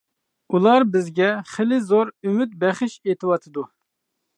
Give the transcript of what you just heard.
ئۇلار بىزگە خېلى زور ئۈمىد بەخش ئېتىۋاتىدۇ.